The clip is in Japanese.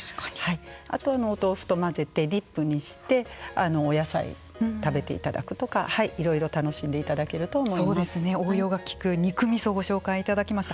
あと、お豆腐と混ぜてディップにしてお野菜を食べていただくとかいろいろ楽しんでいただけると応用が利く肉みそをご紹介いただきました。